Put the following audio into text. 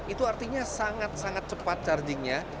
itu artinya sangat sangat cepat chargingnya